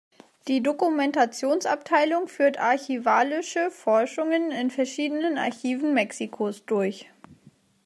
Die Dokumentations-Abteilung führt archivalische Forschungen in verschiedenen Archiven Mexikos durch.